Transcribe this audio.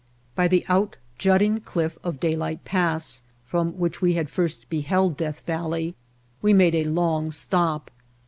By the out jutting cliff of Daylight Pass, from which we had first beheld Death Valley, we made a long stop.